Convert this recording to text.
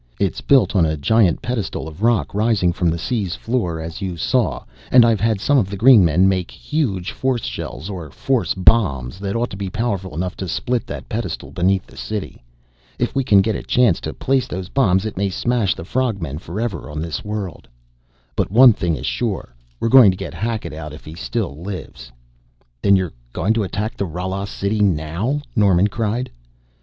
It's built on a giant pedestal of rock rising from the sea's floor, as you saw, and I've had some of the green men make huge force shells or force bombs that ought to be powerful enough to split that pedestal beneath the city. If we can get a chance to place those bombs it may smash the frog men forever on this world. But one thing is sure: we're going to get Hackett out if he still lives!" "Then you're, going to attack the Rala city now?" Norman cried.